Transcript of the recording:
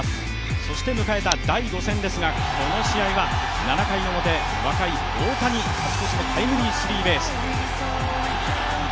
そして迎えた第５戦ですが、この試合は７回表若い太田に勝ち越しのスリーベース。